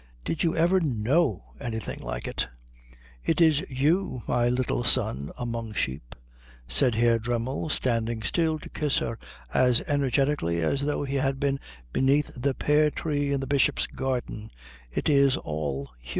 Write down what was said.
"Did you ever know anything like it?" "It is you, my little sun among sheep," said Herr Dremmel, standing still to kiss her as energetically as though he had been beneath the pear tree in the Bishop's garden, "it is all you."